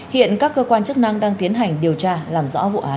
hiện các cơ quan chức năng đang tiến hành điều tra làm rõ vụ án